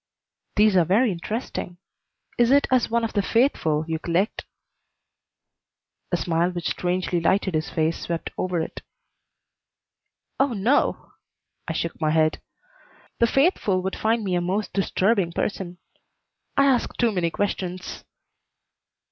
"These are very interesting. Is it as one of the faithful you collect?" A smile which strangely lighted his face swept over it. "Oh no!" I shook my head. "The faithful would find me a most disturbing person. I ask too many questions."